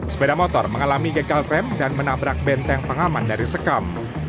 sepeda motor mengalami gagal rem dan menabrak benteng pengaman dari sekam